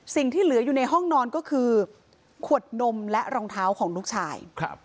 ที่เหลืออยู่ในห้องนอนก็คือขวดนมและรองเท้าของลูกชาย